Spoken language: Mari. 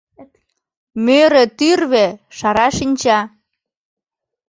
Мӧрӧ тӱрвӧ, шара шинча —